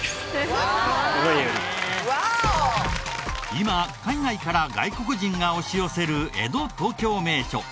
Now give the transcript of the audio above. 今海外から外国人が押し寄せる江戸・東京名所。